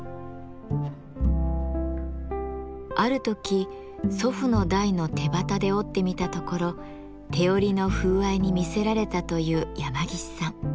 ある時祖父の代の手機で織ってみたところ手織りの風合いに魅せられたという山岸さん。